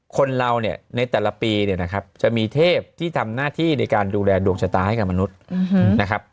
คนเราเนี่ยในแต่ละปีเนี่ยนะครับจะมีเทพที่ทำหน้าที่ในการดูแลดวงชะตาให้กับมนุษย์นะครับ